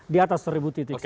di atas seribu titik